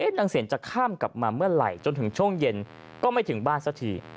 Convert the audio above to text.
นางเสนจะข้ามกลับมาเมื่อไหร่จนถึงช่วงเย็นก็ไม่ถึงบ้านสักที